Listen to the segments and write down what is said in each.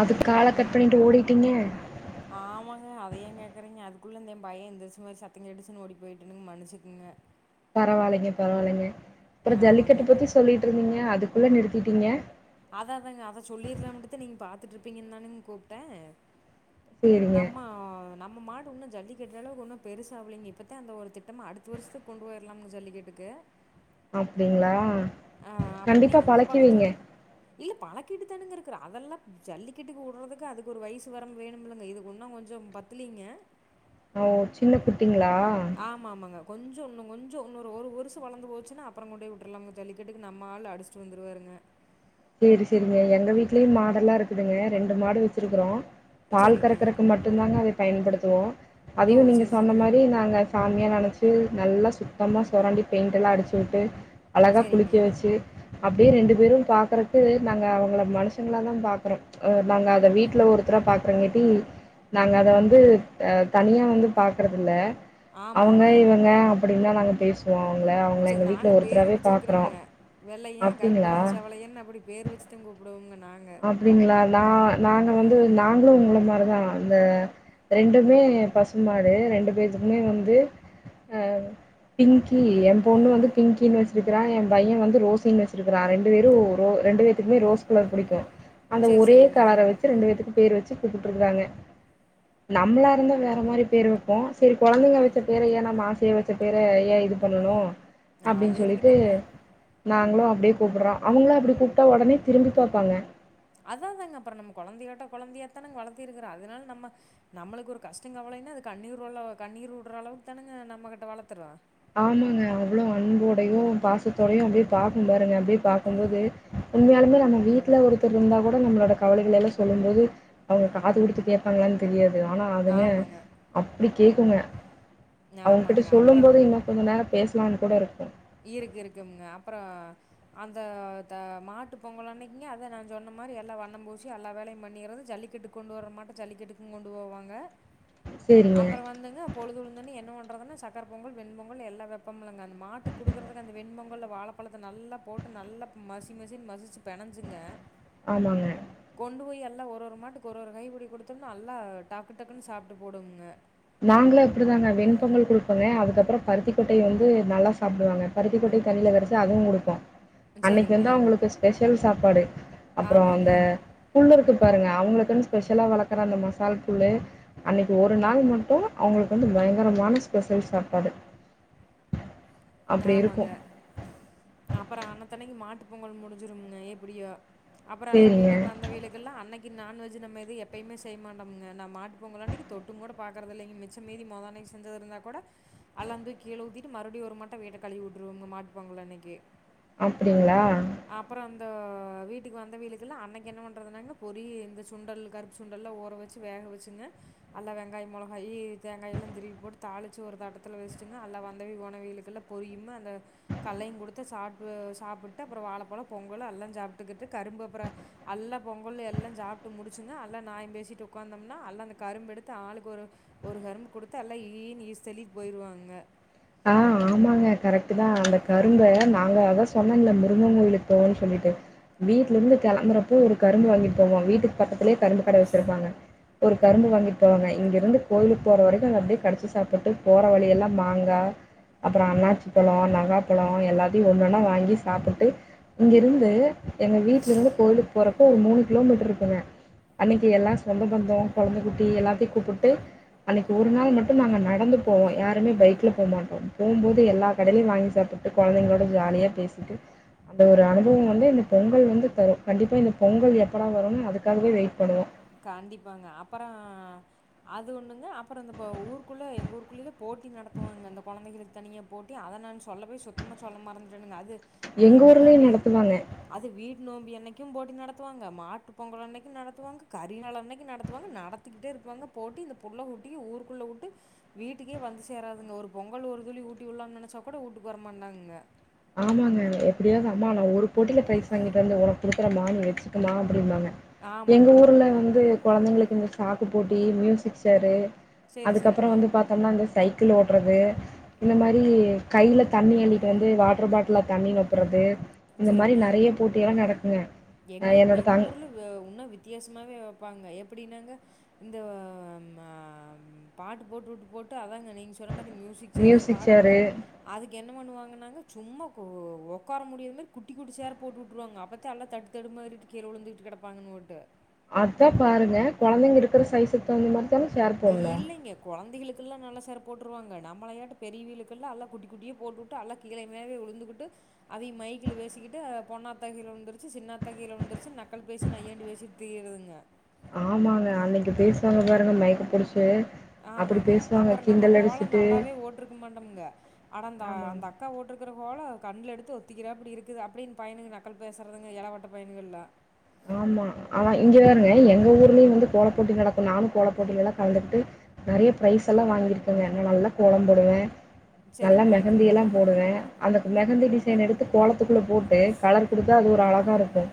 அதுக் கால கட் பண்ணிட்டு ஓடிட்டீங்க ஆமாங்க அத ஏ கேக்குறீங்க அதுக்குள்ள இந்த ஏ பைய எந்ரிச்வோய் சத்தங் கேட்டுச்சுன் ஓடி போயிட்டேனுங் மன்னிச்சுக்குங்க பரவால்லிங்க பரவால்லிங்க அப்பற ஆமாங்க ஜல்லிக்கட்டு பத்தி சொல்லிட்ருந்தீங்க அதுக்குள்ள நிறுத்திடீங்க அத அதாங்க அத சொல்லிர்லாமின்டுத நீங் பாத்துட்ருப்பீங்கன்தானுங் கூப்டே சரிங்க நம்ம ஆ நம்ம மாடு உன்னு ஜல்லிக்கட்டு அளவுக்கு உன்னு பெருசா ஆவ்லிங்க இப்பத அந்த ஒரு திட்டமா அடுத் வர்ஷத்திக் கொண்டுவோய்லாம்க ஜல்லிக்கெட்டுக்கு அப்டிங்ளா ஆ அப்பற நீங்க உங்க பக்கத்து இல்ல பழக்கீட்டு தானுங்க இருக்கிறோ அதெல்லா ஜல்லிக்கெட்டுக்கு உட்றதுக்கு அதுக்கு ஒரு வய்ஸ் வரம்பு வேணுமில்லங்க இதுக் உன்னோ கொஞ்சம் பத் தில்லீங்க ஓ சின்ன குட்டிங்ளா ஆமா ஆமாங்க கொஞ்ச உன்னு கொஞ்ச உன்னொரு ஒரு வருஷோ வளந்து போச்சுனா அப்பறோ கொண்டோய் வுட்ருலாம்ங்க ஜல்லிக்கட்டுக்கு நம்மாளு அடிச் சு வந்துருவாருங்க சேரி சேரிங்க எங்க வீட்லியு மாடெல்லா இருக்குதுங்க ரெண்டு மாடு வச்சிருக்கிறோ பால் சரிங்க. கறக்குறக்கு மட்டு தாங்க அதய் பயன்படுத்துவோ ஓ! அதயு நீங்க சரி, சொன்ன சரி. மாரி நாங்க சாமியா நெனச்சு நல்லா சுத்தமா சொரண்டி பெயிண்டெல்லா அடிச்சு விட்டு அழகாக சரிங்க. குளிக்க வச்சு அப்டியே ரெண்டு பேரு பாக்குறக்கு நாங்க அவுங்கள மனுஷங்களா தா பாக்றோ அ நாங்க அத வீட்ல ஒருத்தரா பாக்குறங்கெட்டி நாங்க அத வந்து தனியா வந்து பாக்றதில்ல அவுங்க ஆமாங்க. இவுங்க அப்டின் தா நாங்க பேசு சேர் நாங்க பேரு பார்க்குறோம். வெச்சிருக்கிறம்ங்க வெள்ளயே அப்படிங்களா? கருப்பே செவளயன்னு அப்டி பேரு வெச்சுதா கூப்பிடுவோங்க நாங்க அப்டிங்களா நா நாங்க வந்து நாங்களு உங்கள மாரிதா அந்த ரெண்டுமே பசுமாடு ரெண்டு பேத்துக்குமே வந்து அ பிங்கி எ பொண்ணு வந்து பிங்கினு வெச்சிருக்கிறா எ பையே வந்து ரோஸின் வெச்சிருக்கிறா ரெண்டு பேரு ரோ ரெண்டு பேர் த்துகுமே ரோஸ் கலர் புடிக்கு அந்த சரி, ஒரே சரிங்க. கலர வெச்சு ரெண்டு பேத்துக்கு பேர் வெச்சு கூப்புட்ருக்கறாங்க நம்ளா இருந்தா வேற மாரி பேரு வெப்போ சேரி கொழந்தைங்க வெச்ச பேர ஏ நம்ம ஆசைய வெச்ச பேர ஏ இது பண்ணணு அது அப்டின் சொல்லிட்டு இருக்கட்டும்ங்க. நாங்களு அப்டியே கூப்பட்றோ அவங்களு அப்டி கூப்ட்டா ஒடனே திரும்பி பாப்பாங்க அத அதாங்க அப்றோ நம்ம கொழந்தயாட்ட கொழந்தையாத்தானங்க வளத்து இருக்கிறோ அதனால நம்ம நம்மளுக்கு ஒரு கஷ்டங் கவலைன்னா அது கண்ணீர் உள்ள கண்ணீர் வுட்ற அளவுக்கு தானங்க நம்ம கிட்ட வளத்தர்றோ ஆமாங்க அவ்ளோ அன்போடையு பாசத்தோடையு அப்டியே பாக்கு பாருங்க அப்டியே பாக்கும்போது உண்மையாலுமே நம்ம வீட்ல ஒருத்தர் இருந்தா கூட நம்மளோட கவலைகலெல்லா சொல்லும் போது அவுங்க காது குடுத்து கேப்பாங்களான் தெரியாது ஆனா அதுங்க ஆமாங்க, அப்டி கேக்குங்க அவுங்க கிட்ட ஆமாங்க. சொல்லும் அப்புறம் போது இன்னு கொஞ்ச நேரோ பேசலான் கூட இருக்கு இருக்கு இருக்கும்ங்க அப்றோ அந்த த மாட்டு பொங்கல் அன்னைக்குங்க அத நா சொன்ன மாரி எல்லா வண்ணம் பூசி எல்லா வேலயு பண்ணிறது ஜல்லிக்கட்டு கொண்டு வர்ற மாட்ட ஜல்லிக்கட்டுக்கும் கொண்டு போவாங்க சரிங்க. அப்றோ வந்துங்க பொழுதுழுந்தன்னே என்ன பண்றதுன்ன சக்கர பொங்கல் வெண்பொங்கல் எல்லா வெப்பமில்லங்க அந்த மாட்டுக் குடுக்குறதுக்கு அந்த வெண்பொங்கல்ல வாழப்பழத்த நல்லா போட்டு நல்லா மசி மசின் மசிச்சு பெனஞ்சுங்க ஆமாங்க கொண்டு போய் எல்லா ஒரு ஒரு மாட்டுக்கு ஒரு ஒரு கைப்புடி குடுத்தம்ன்னா நல்லா டக்கு டக்குன்னு சாப்ட்டு போடுங்க நாங்களு இப்டிதாங்க வெண்பொங்கல் குடுப்போங்க அதுக்கப்றோ பருத்திக்கொட்டைய வந்து நல்லா சாப்டுவாங்க பருத்திக்கொட்டைய தண்ணில கரச்சி அதைங் குடுப்போ அன்னைக்கு சரிங்க வந்து அவுங்களுக்கு ஸ்பெஷல் சாப்பாடு அப்றோ ஆமாங்க அந்த புல் இருக்கு பாருங்க அவுங்களுக்குன் ஸ்பெஷலா வளக்குற அந்த மசால் புல்லு அன்னைக்கு ஒரு நாள் மட் டு அவுங்களுக்கு வந்து பயங்கரமான ஸ்பெஷல் சாப்பாடு அப்டி ஆமாங்க இருக்கும். அப்பறோ அன்னத்தன்னைக்கு மாட்டு பொங்கல் முடிஞ்சிரும்ங்க எப்படியு அப்றோ எல்லா சேரிங்க வீட்டுக்கு வந்தவைகளுக்கு எல்லா அன்னைக் கு நான்வெஜ்ஜு நம்ம இது எப்பய்மே செய்ய மாட்டம்ங்க நம் மாட்டு பொங்கல் அன்னைக்கு தொட்டுங் கூட பாக்குறதில்லைங்க மிச்ச மீதி மொதன்னைக்கு செஞ்சது இருந்தா கூட அல்லாந்து கீழ ஊத்திட்டு மறுபடி ஒரு மட் ட வீட்ட கழுவிவுட்ருவங்க மாட்டுப்பொங்கல் அன்னைக்கு அப்டிங்ளா அப்றோ அந்த வீட்டுக்கு வந்தவைகளுக்குலா அன்னைக்கு என்ன பண்றதுனாங்க பொரி இந்த சுண்டல் கருப் பு சுண்டெல்லா ஊற வெச்சு வேக வெச்சுங்க அல்லா வெங்காயோ மொளகாயி தேங்காயில்லா திருவி போட்டு தாளிச்சு ஒரு தட்டத்துல வெச்சிட்டுங்க அல்லா வந்தவி போனவைகளுக்கெல்லா பொரியும்மு அந்த கல்லையு குடுத்து சாப் சாப்புட்டு அப்றோ வாழப்பழோ பொங்கலு அல்லா சாப்ட்டுகிட்டு கரும்பு அப்றோ அல்லா பொங்கல் எல்லா சாப்ட்டு முடிச்சுங்க அல்லா நாயம் பேசிட்டு உக்காந்தம்னா அல்லா அந்த கரும்பு எடுத்து ஆளுக்கு ஒரு ஒரு கரும்பு குடுத்தா எல்லா ஈ ஈன்னு ஈசிதள்ளிட்டு போயிருவாங்க ஆ ஆமாங்க கரெட்டு தா அந்த கரும்ப நாங்க அதா சொன்னல்ல முருகங் கோயிலுபோவன் சொல்லிட்டு வீட்ல இருந்து கெளம்புறப்போ ஒரு கரும்பு வாங்கிட்டு போவோ வீட்டுக்கு பக்கத்துலயே கரும்பு கட வெச்சிருப்பாங்க ஒரு கரும்பு வாங்கிட்டு போவாங்க இங்கிருந்து கோயிலுக்கு போற வரைக்கு அப்டியே கடிச்சி சாப்ட்டு போற வழியெல்லா மாங்கா அப்பற அண்ணாச்சி பழோ நவாப்பழோ எல்லாத்தையு ஒன்னொன்னா வாங்கி சாப்ட்டுட்டு இங்கிருந்து எங்க வீட்ல இருந்து கோயிலுக்கு போறப்ப ஒரு மூணு கிலோ மீட்டர் இருக்குங்க அன்னைக்கி எல்லா சொந்த பந்தோ கொழந்த குட்டி எல்லாத்தையு கூப்பிட்டு அன்னைக்கி ஒரு நாள் மட்டு நாங்க நடந்து போவோ யாருமே பைக்ல போமாட் போம்போது எல்லா கடைலையு வாங்கி சாப்ட்டுட்டு கொழந்தைங்களோட ஜாலியாக பேசிட்டு அந்த ஒரு அனுபவம் வந்து இந்த பொங்கல் வந்து தரு கண்டிப்பா இந்த பொங்கல் எப்படா வரும்னு அதுக்காகவே வெயிட் பண்ணுவோ கண்டிப்பாங்க அப்பற அது ஒண்ணுங்க அப்பற இந்த ப ஊருக்குள்ள எங்க ஊருக்குள்ளேலா போட்டி நடத்துவாங்க அந்த கொழந்தைகளுக் தனியா போட்டி அத நான்னு சொல்லவே சுத்தமா சொல்ல மறந்துட்டேனுங்க அது எங்க வீட்டு ஊர்லயும் நோம்பி நடத்துவாங்க. அது வீட்டு நோம்பி அன்னைக்கு போட்டி நடத்துவாங்க மாட்டு பொங்கல் அன்னைக்கு நடத்துவாங்க கறி நாள் அன்னைக்கு நடத்துவாங்க நடத்திக்கிட்டே இருப்பாங்க போட்டி இந்த புள்ள குட்டி ஊருக்குள்ள வுட்டு வீட்டுக்கே வந்து சேராதுங்க ஒரு பொங்கல் ஒரு துளி ஊட்டி உள்ளலா நெனைச்சா கூட ஊட்டுக்குவர மாட்டாங்கங்க ஆமாங்க எப்டியாவது அம்மா நா ஒரு போட்டியில பிரைஸ் வாங்கிட்டு வந்து உனக்கு குடுக்குறேமா நீ வச்சக்கமா அப்டிம்பாங்க எங்க ஆமாங்க. அந்த ஊர்ல வந்து கொழந்தைங்களுக்கு இந்த சாக்கு போட்டி மியூசிக் சேரு சரி, அதுக்கப்பற சரிங்க. வந்து பாத் தம்னா இந்த சைக்கிள் ஓட்றது இந்த மாரி கைல தண்ணி அள்ளிட்டு வந்து வாட் ட்டர் பாட்ல்ல தண்ணி நெப்புறது இந்த மாரி சரிங்க. நெறைய போட்டியெல்லா நடக்குங்க என்னோட தங் வ உன்னு வித்தியாசமாவே வப்பாங்க எப்டினாங்க இந்த ஆ மா பாட்டு போட்டு வுட்டு போட்டு அதாங்க நீங்க சொன்ன மாரி மியூசிக் சிக் சேர் பாட்டு போட் அதுக்கு என்ன பண்ணுவாங்கன்னாங்க சும்மா ஒக்கார முடியும் குட்டி குட்டி சேர போட்டு வுட்டுருவாங்க அப்பத்த எல்லா தட்டு தடு மாரி கீழ உழுந்துட்டு கெடப்பாங்க ஓட்டு அத்தா பாருங்க கொழந்தைங்க இருக்கிற சைஸ்சுக் தகுந்த மாரி தானே சேரத் இல்லேங்க கொழந்தைகளுக்கெல் லா நல்லா சேர் போட்டுருவாங்க நம்மளயாட்டு பெரியவளுக்கெல்லா அல்லா குட்டி குட்டியே போட்டுட் ட்டு அல்லா கீழ மேல வுழுந்துகிட்டு அதையு மைக்கல பேசிக்கிட்டு பொன்னாத்தா கீழ விழுந்துருச்சு சின்னாத்தா கீழ விழுந்துருச்சு நக்கல் பேசி நாய்யாண்டி பேசிட் தீயிறதுங்க ஆமாங்க அன்னைக்கி பேசுவாங்க பாருங்க மைக்க புடிச்சு அப்டி ஆமாங்க பேசுவாங்க அப்பற நம்ம கிண்டல் கோல அடிச்சுட்டு நல்லாவே ஓட்டருக்க மாட்டோம்ங்க அட அந்த ஆமாங்க அந்த அக் கா ஓட்டுருக்கற கோலோ கண்ணல எடுத்து ஒத்திக்கிறாப்டி இருக்குது அப்டின்னு பையனுக நக்கல் பேசுறதுங்க இலவட்ட பயனுகள்ல ஆமா ஆனா இங்க பாருங்க எங்க ஊர்லேயு வந்து கோலப்போட்டி நடக்கு நானு கோலப்போட்டில்லா கலந்துகிட்டு நெறைய ப்ரைஸ் எல்லா வாங்கிருக்கங்க நா நல்லா கோலம் போடுவே நல்லா சரிங்க. மெஹந்தி எல்லா போடுவே அந்த மெஹந்தி டிசைன் எடுத்துக் கோலத்துக்குள்ள போட்டு கலர் குடுத்த அது ஒரு அழகாக இருக்கு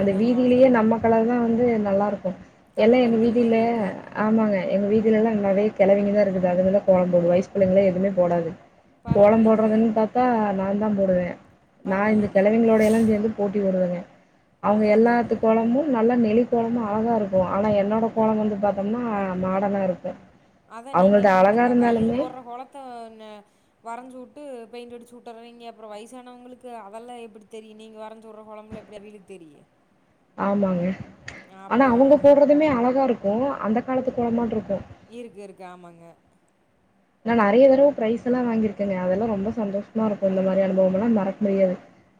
அந்த வீதியிலேயே அவ்வளோதாங்க. நம்மக்கோலதா வந்து நல்லா இருக்கு கண்ண எல்லா எங்க பறிக்கிற வீதியில மாரி இருக்கு. ஆமாங்க எங்க வீதியில்லா நெறையா கிழவிங்கதா இருக்குது அதுங்கல்லா கோலம் போடும் வய்ஸ் பிள்ளைங்கள்லா எதுவுமே போடாது கோலம் பரவாயில்லைங்களே! போடுறதுன்னு பாத்தா நாதா போடுவே நா இந்த பரவாயில்லைங்க. கிழவிங்களோடல சேந்து போட்டி போடுவாங்க அவுங்க அதான் அதாங்க. எல்லாத்து கோலமும் நல்லா நெலி கோலமும் அழகா இருக்கு ஆனா என்னோட கோலம் வந்து பாத்தோம்னா மாடனா இருக்கு அதா நீங்க அவங்கள்து அப்பற இந்த அழகா க கைல இருந்தாலுமே போடுற கோலத்த வரைஞ்சு வுட்டு பெயிண்ட் அடிச்சு வுட்டறவீங்க அப்பற வயசானவங்களுக்கு அதெல்லா எப்டி தெரியு நீங்க வரைஞ்சு வுடுற கோலம்ல்லா எப் அவியலுக்கு தெரியு ஆமாங்க ஆனா அப்புறம் அவங்க போடுறதுமே அழகா இருக்கு அந்த காலத்துக்கோலமாட்ருக்கு இருக்கு இருக்கு ஆமாங்க ஆனா நறைய தரவ பிரைஸ் எல்லா வாங்கிருக்கங்க அதெல்லா ரொம்ப சந்தோஷமா இருக்கு இந்த மாரி அனுபவம் எல்லா மறக் முடியாது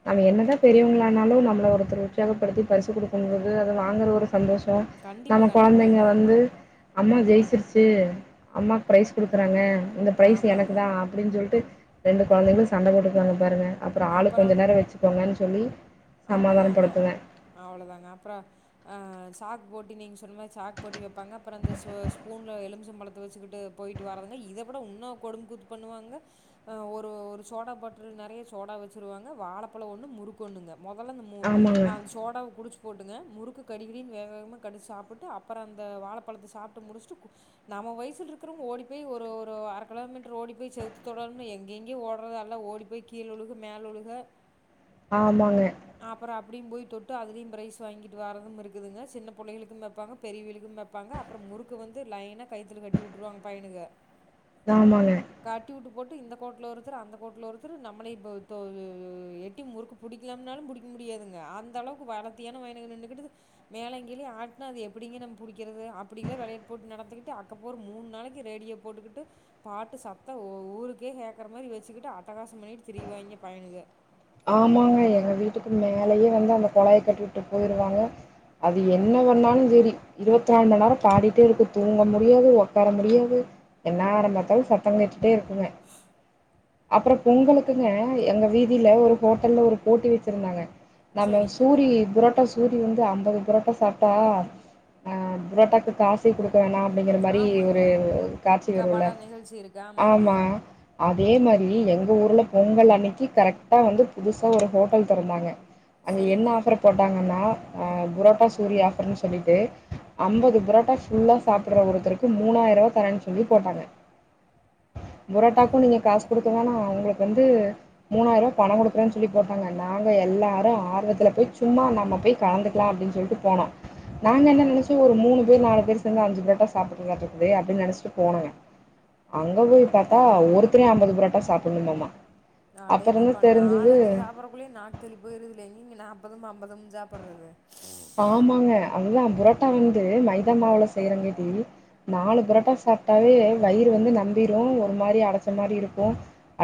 நம்ம என்னதா பெரியவங்ளானாலு நம்மள ஒருத்தர் உற்சாகப்படுத்தி பரிசு குடுக்கும்போது அது வாங்குற ஒரு சந்தோஷ் த கண்டிப்பா, நம்ம கொழந்தைங்க கண்டிப்பாங்க. வந்து அம்மா ஜெய்ச்சிருச்சு அம்மாக் ப்ரைஸ் குடுக்குறாங்க அந்த ப்ரைஸ் ஆமாங்க. எனக்கு தா அப்டின்னு சொல்லிட்டு ரெண்டு கொழந்தைங்களு சண்ட போட்டுக்வாங்க பாருங்க அப்பறோ ஆள்க் கொஞ்ச நேர வச்சுக்கோங்கன் சொல்லி அவளோதாங்க சமாதானப்படுத்துவே. அவ்ளதாங்க அப்ற அ சாக் போட்டி நீங் சொன்ன சாக் போட்டி வப்பாங்க அப்பற அந்த ஸ்பூன்ல எலுமிசபழத்த வச்சுக்கிட்டு போயிட்டு வரதுங்க இதப்பட உன்னோ கொடும் கூத் பண்ணுவாங்க அ ஒரு ஒரு சோடா பாட்லு நறய சோடா வச்சுருவாங்க வாழப்பழ ஒன்னு முறுக்கு ஒன்னுங்க மொதல்ல இந்த மூ ஆமாங்க, அ சோடாவ குடிச்சு போட்டுங்க முறுக்கு கடிக்கிடின்னு வேக வேகமாக கடிச்சி சாப்ட்டு அப்புற அந்த வாழப்பழத்த சாப்ட்டு முடிச்சுட்டு நம்ம வய்சில்ருக்றவ்ங்க ஓடி போய் ஒரு ஒரு அர கிலோமீட்ரு ஓடி போய் செுவுத்து தொடனும்ன் எங்கேங்கி ஓடுறது அல்லா ஓடி பேய் கீழ உழுக மேல் உழுக ஆமாங்க அப்பற அப்டியு போய் தொட்டு அதுலிம் ப்ரைஸ் வாங்கிட்டு வரதும் இருக்குதுங்க சின்ன புள்ளைளுக்கும் வெப்பாங்க பெரியவியலுக் வெப் ப்பாங்க அப்ற முறுக்கு வந்து லைனா கய்த்துல கட்டி உட்ருவாங் பைனுக தாமாங்க கட்டி உட்டு போட்டு இந்த கோட்ல ஒருத்தர் அந்த கோட்ல ஒருத்தர் நம்மளே இப்போ தோ யோ யோ யோ எட்டி முறுக்கு புடிக் எம்னாலு புடிக் முடியாதுங்க அந்த அளவுக்கு வளத்தியான பைனுங் நின்னுகுட்டுது மேலயு கீழயு ஆட்னா அது எப்புடிங்க நம் புடிக்கிறது அப்புடி இல்ல விளையாட் போட்டு நடத்துகிட்டு அக்கோப்போர் மூணு நாளக்கு ரேடியோ போட்டுக்குட்டு பாட்டு சத்த ஒ ஊருக்கே ஹேக்கற மாரி வச்சுக்கிட்டு அட்டகாச பண்ணிகிட் திரிய்வாங்க பையலுக ஆமாங்க எங்க வீட்டுக்கு மேலேயே வந்து அந்த குழாய கட்டவிட்டு போயிருவாங்க அது என்ன பண்ணாலு சேரி இருவத்நாள் மண் நேர பாடிட்டே இருக்கு தூங்க முடியாது ஒக்கார முடியாது என்னாரம்பத்தாலு சத்த கேட்டுட்டே இருக்குங்க அப்பறோ பொங்கலுக்குங்க எங்க வீதில ஒரு ஹோட்டலல ஒரு போட்டி வெச்சிருந்தாங்க நம்ம சரிங்க சூரி புரோட்டா தூரி வந்து ஐம்பது புரோட்டா சாப்ட்டா அ புரோட்டாக்கு காசே குடுக்க வேணா அப்டிங்கிற மாரி ஆமாங்க ஒரு காட்சி அக்கா வருல்ல பாடா நிகழ்ச்சி இருக்கு ஆமாங்க ஆமா அதே மாரி எங்க ஊர்ல பொங்கல் அன்னக்கி கரெக்டா வந்து புதுசா ஒரு ஹோட்டல் தொறந்தாங்க அங்க என்ன சரிங்க ஆஃபரு போட்டாங்கன்னா அ புரோட்டா சூரி ஆஃபர்ன்னு சொல்லிட்டு ஐம்பது புரோட்டா ஃபுல்லா சாப்புற்ற ஒருத்தருக்கு மூணாயருவா தரன் சொல்லி போட்டாங்க புரோட்டாக்கு நீங்க காஸ் குடுக்கவேனா உங்களுக்கு வந்து மூணாயருவா பண குடுக் குறன் சொல்லி போட்டாங்க நாங்க எல்லாரு ஆர்வத்துல பேய் சும்மா நம்ம பேய் கலந்துக்லா அப்டின் சொல்ட்டு போனோ நாங்க என்ன நெனைச்சோ ஒரு மூணு பேர் நாலு பேர் சேந்து அஞ்சு புரோட்டா சாப்புட்னுங்காட்ருக்குது அப்டின் நெனச்சிட்டு போனங்க அங்க போய் பாத்தா ஒருத்ரியு ஐம்பது புரோட்டா சாப்புட்ணுமாமா அடேங்கப்பா நாலஞ்சு சாப்றக்குள்யே நாக் தெள்ளி போய்ருதுல்யா நீங்க நாப்பதும் ஐம்பதும் சாப்பற்றது ஆமாங்க அதுதா புரோட்டா வந்து மைதா மாவுல செய்யறங்கேட்டி நாலு புரட்டா சாப்ட்டாவே வயிறு வந்து நம்பிரு ஒரு மாரி அடச்ச மாரி இருக்கு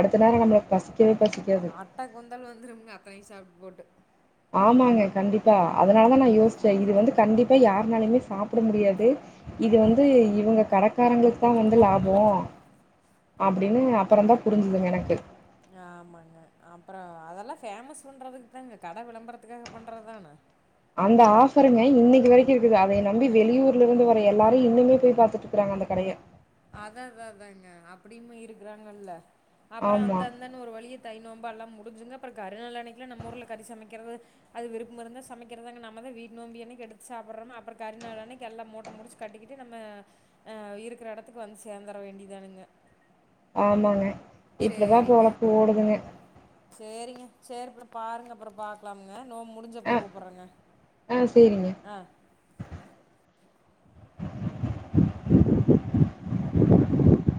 அடுத்த நேர நம்ப்ளுக்கு பசிக்கவே பசிக்காது டா குந்தல் வந்துரும்ங்க அத்தனை சாப்ட்டு போட்டு ஆமாங்க கண்டிப்பா அதனாலதா நா யோஸ்ச்ச இது வந்து கண்டிப்பா யார்னாலயுமே சாப்புட முடியாது இது வந்து இவங்க கடக்காரங்ளுக் தா வந்து லாபோ அப்டின்னு அப்றந்தா புரிஞ்சிதுங்கெனக்கு ஆமாங்க அப்பறோ அதெல்லா ஃபேமஸ் பண்றதுக் தாங்க கட விளம்புறதுக்காக பண்றதுதான அந்த ஆஃப்பருங்க இன்னக்கி வெரிக்கு இருக்குது அதய நம்பி வெளியூர்லருந்து வர எல்லாரு இன்னுமே பேய் பாத்துட்டுருக்கறாங்க அந்த கடய அதா அதா அதாங்க அப்டியுமே இருக்குறாங்கல்ல அப்பற ஆமா அந்த அந்தன்னு ஒரு வழிய தை நோம்பல்லா முடிஞ்சுங்க அப்ற கரு நாளு அன்னைக்கிலா நம்ம ஊர்ல கறி சமைக்கிறது அது விருப்பம் இருந்தா சமைக்கிறங்க நம்மதா வீட் நோம்பி அன்னைக் எடுத்து சாப்புற்றோனோ அப்பற கறி நாளு அன்னைக்கி எல்லா மூட்ட முடிச்சு கட்டிக்கிட்டு நம்ம அ இருக்குற எடத்துக்கு வந்து சேந்தர வேண்டிதானுங்க ஆமாங்க இப்டிதா பொழப்பு ஓடுதுங்க சேரிங்க சேரிபுள்ள பாருங்க அப்பறம் பா க்கலாமுங்க நோம் ஆ முடிஞ்சப்பறோ கூப்பறேங்க ஆ சேரிங்க. ஆ